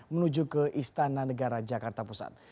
menuju ke istana negara jakarta pusat